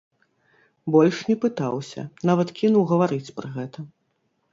Больш не пытаўся, нават кінуў гаварыць пра гэта.